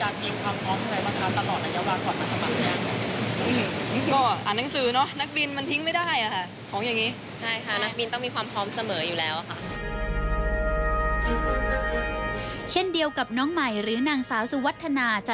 เรามีการกินคำคอมเหงื่อมากครับ